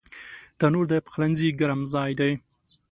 تنور د پخلنځي ګرم ځای دی